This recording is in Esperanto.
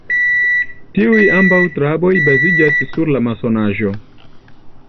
Tiuj ambaŭ traboj baziĝas sur la masonaĵo.